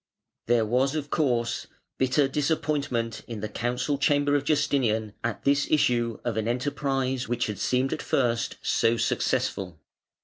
There was, of course, bitter disappointment in the council chamber of Justinian at this issue of an enterprise which had seemed at first so successful.